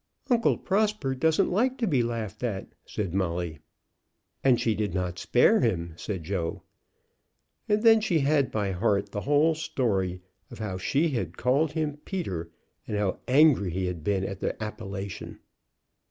"Uncle Prosper doesn't like to be laughed at," said Molly. "And she did not spare him," said Joe. And then she had by heart the whole story, how she had called him Peter, and how angry he had been at the appellation.